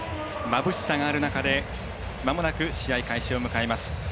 まぶしさがある中でまもなく試合開始を迎えます。